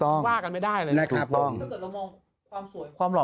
ต้องถ้าเกิดเรามองความสวย